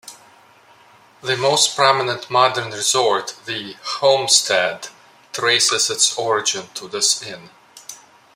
The most prominent modern resort, The Homestead, traces its origin to this inn.